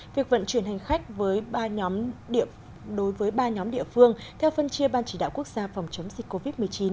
việc vận chuyển hành khách với ba đối với ba nhóm địa phương theo phân chia ban chỉ đạo quốc gia phòng chống dịch covid một mươi chín